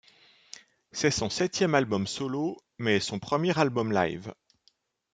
C'est son septième album solo mais son premier album live.